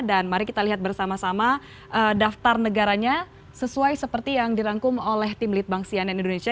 dan mari kita lihat bersama sama daftar negaranya sesuai seperti yang dirangkum oleh tim lead bank sianen indonesia